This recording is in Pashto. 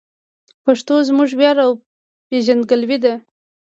پښتو زموږ ویاړ او پېژندګلوي ده.